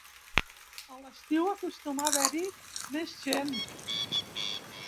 A l'estiu acostuma a haver-hi més gent.